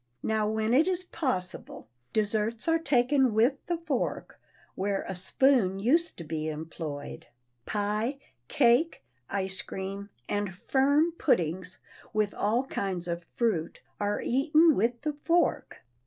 Now, when it is possible, desserts are taken with the fork where a spoon used to be employed. Pie, cake, ice cream and firm puddings, with all kinds of fruit, are eaten with the fork.